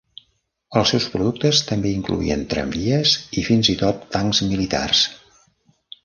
Els seus productes també incloïen tramvies i fins i tot tancs militars.